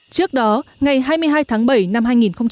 trước đó ngày hai mươi hai tháng bảy năm hai nghìn một mươi tám